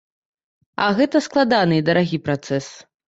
А гэта складаны і дарагі працэс.